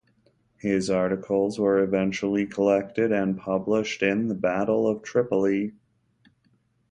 His articles were eventually collected and published in "The Battle Of Tripoli".